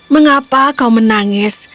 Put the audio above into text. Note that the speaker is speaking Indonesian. mengapa kau menangis